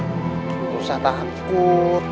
gak usah takut